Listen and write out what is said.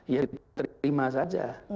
ya diterima saja